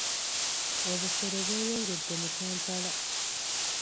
Obufere bweyongedde mu Kampala.